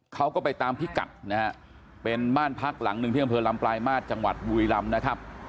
เขาก็ไปตามพิกัดนะฮะเป็นบ้านพักหลังหนึ่งที่อำเภอลำปลายมาตรจังหวัดบุรีรำนะครับ